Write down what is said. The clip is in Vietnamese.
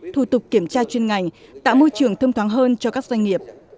thủ tục kiểm tra chuyên ngành tạo môi trường thông thoáng hơn cho các doanh nghiệp